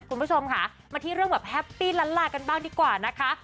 คุณผู้ชมค่ะมาที่เรื่องแบบแฮปปี้ล้านลากันบ้างดีกว่านะคะ